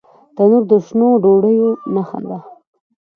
تنور د شنو ډوډیو نښه ده